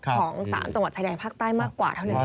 ของ๓จังหวัดชายแดนภาคใต้มากกว่าเท่านั้นเอง